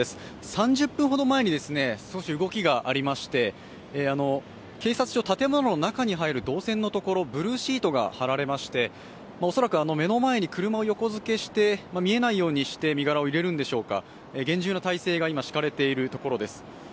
３０分ほど前に少し動きがありまして、警察署、建物の中に入る動線のところ、ブルーシートが張られまして、恐らく目の前に車を横づけして、見えないようにして身柄を入れるんでしょうか、厳重な態勢が今敷かれているところです。